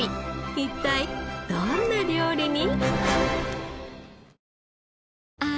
一体どんな料理に？